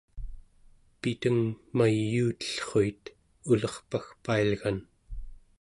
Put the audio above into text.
piteng mayuutellruit ulerpagpailgan